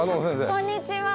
こんにちは。